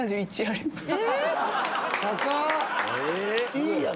いいやん！